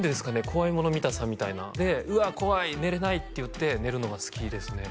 怖いもの見たさみたいなでうわ怖い寝れないって言って寝るのが好きですね